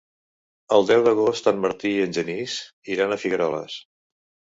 El deu d'agost en Martí i en Genís iran a Figueroles.